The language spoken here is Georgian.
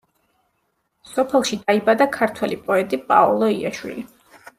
სოფელში დაიბადა ქართველი პოეტი პაოლო იაშვილი.